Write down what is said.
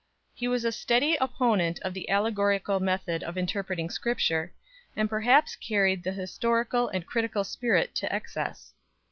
He was a steady opponent of the allegorical method of interpreting Scripture, and perhaps carried the historical and critical spirit to excess.